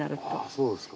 そうですか。